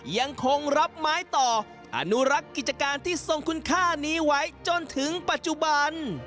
ยังคงรับไม้ต่ออนุรักษ์กิจการที่ทรงคุณค่านี้ไว้จนถึงปัจจุบัน